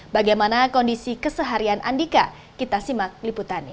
bagaimana kondisi keseharian andika kita simak liputannya